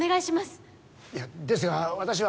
いやですが私は。